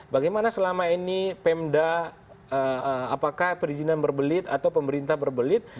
bagaimana selama ini pemda apakah perizinan berbelit atau pemerintah berbelit